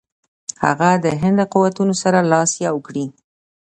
هغه د هند له قوتونو سره لاس یو کړي.